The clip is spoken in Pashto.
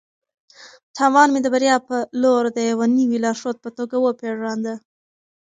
تاوان مې د بریا په لور د یوې نوې لارښود په توګه وپېژانده.